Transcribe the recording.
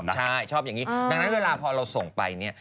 ใช่ชอบอย่างนี้ดังนั้นเวลาพอเราส่งไปเนี่ย